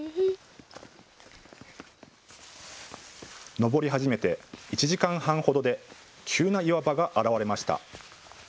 登り始めて１時間半ほどで急な岩場が現れました。